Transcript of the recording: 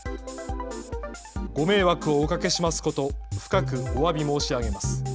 ご迷惑をおかけしますこと、深くおわび申し上げます。